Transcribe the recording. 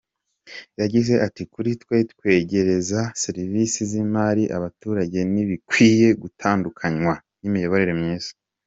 Yagize ati “Kuri twe kwegereza serivisi z’imari abaturage ntibikwiye gutandukanywa n’imiyoborere myiza.